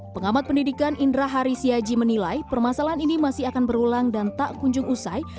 pengamat pendidikan indra harisyaji menilai permasalahan ini masih akan berulang dan tak kunjung usai